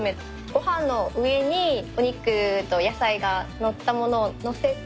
ご飯の上にお肉と野菜が載った物を載せて。